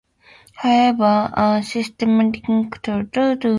However, unsystematic transliteration is common.